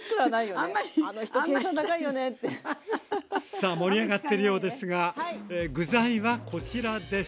さあ盛り上がってるようですが具材はこちらです。